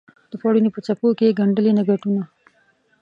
د پوړنې په څپو کې یې ګنډلي نګهتونه